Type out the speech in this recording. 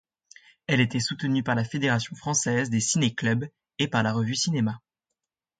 Elle était soutenue par la Fédération française des ciné-clubs et par la revue Cinéma.